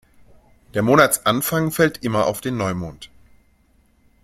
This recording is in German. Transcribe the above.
Der Monatsanfang fällt immer auf den Neumond.